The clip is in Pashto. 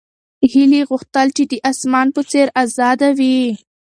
هیلې غوښتل چې د اسمان په څېر ازاده وي.